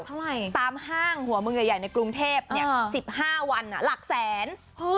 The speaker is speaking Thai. ตามห้างหัวเมืองใหญ่ในกรุงเทพ๑๕วันหลักแสน